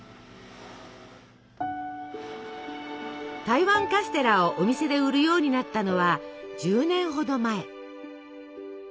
台湾カステラをお店で売るようになったのは１０年ほど前。